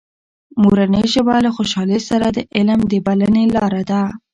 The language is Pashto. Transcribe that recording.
مورنۍ ژبه له خوشحالۍ سره د علم د بلنې لاره ده.